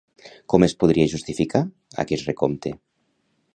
Com es podria justificar aquest recompte?